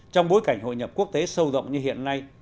trong bối cảnh hội nhập quốc tế sâu rộng như hiện nay